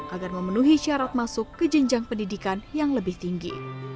agar memenuhi syarat masuk ke jenjang pendidikan yang lebih tinggi